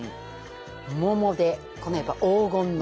このやっぱ黄金の。